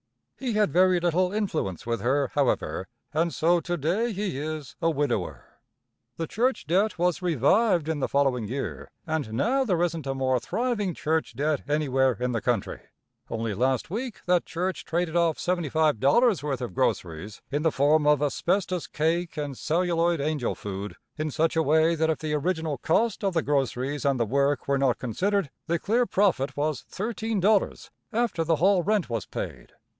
He had very little influence with her, however, and so to day he is a widower. The church debt was revived in the following year, and now there isn't a more thriving church debt anywhere in the country. Only last week that church traded off $75 worth of groceries, in the form of asbestos cake and celluloid angel food, in such a way that if the original cost of the groceries and the work were not considered, the clear profit was $13, after the hall rent was paid.